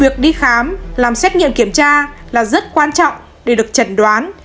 việc đi khám làm xét nghiệm kiểm tra là rất quan trọng để được chẩn đoán